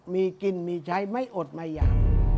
มีกินมีใช้ไม่อดมายา